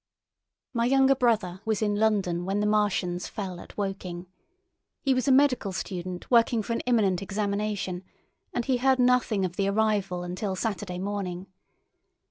My younger brother was in London when the Martians fell at Woking. He was a medical student working for an imminent examination, and he heard nothing of the arrival until Saturday morning.